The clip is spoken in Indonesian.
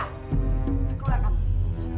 aku ingin keluar dari sini